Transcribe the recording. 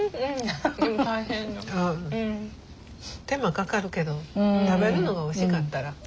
手間かかるけど食べるのがおいしかったら。